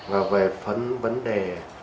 và về vấn đề